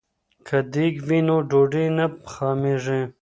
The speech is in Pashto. که دیګ وي نو ډوډۍ نه خامېږي.